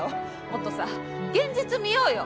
もっとさ現実見ようよ。